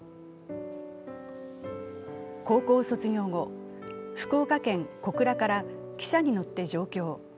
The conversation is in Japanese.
高校卒業後、福岡県小倉から汽車に乗って上京。